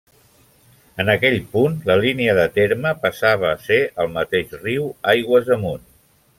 En aquell punt la línia de terme passava a ser el mateix riu, aigües amunt.